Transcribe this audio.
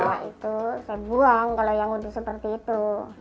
ya itu saya buang kalau yang untuk seperti itu